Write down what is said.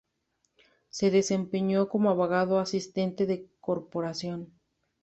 Se desempeñó como abogado asistente de corporación.